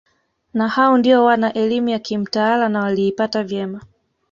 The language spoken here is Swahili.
Na hao ndio wana elimu ya kimtaala na waliipata vyema